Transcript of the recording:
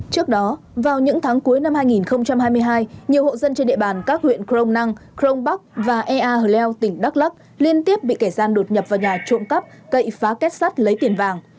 trước đó vào những tháng cuối năm hai nghìn hai mươi hai nhiều hộ dân trên địa bàn các huyện crong năng crong bắc và ea hờ leo tỉnh đắk lắc liên tiếp bị kẻ gian đột nhập vào nhà trộm cắp cậy phá kết sắt lấy tiền vàng